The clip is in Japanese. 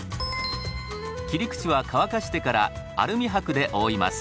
切り口は乾かしてからアルミはくで覆います。